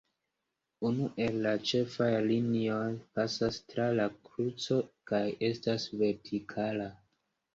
Unu el la ĉefaj linioj pasas tra la kruco kaj estas vertikala.